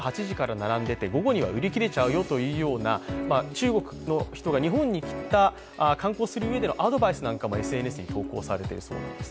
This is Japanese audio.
中国の人が日本に来た、観光する上でアドバイスなんかもＳＮＳで投稿されているそうです。